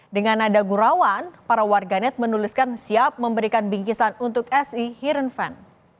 dengan nada gurawan para warganet menuliskan siap memberikan bingkisan untuk si heran van